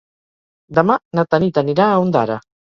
Demà na Tanit anirà a Ondara.